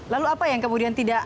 lalu apa yang kemudian tidak